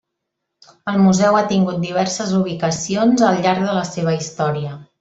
El Museu ha tingut diverses ubicacions al llarg de la seva història.